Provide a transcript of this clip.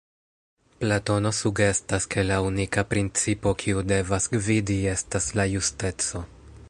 Platono sugestas ke la unika principo kiu devas gvidi estas la justeco.